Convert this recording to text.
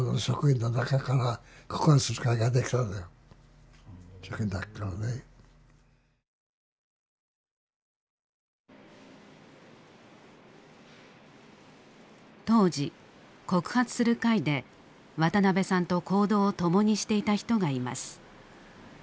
当時告発する会で渡辺さんと行動を共にしていた人がいます。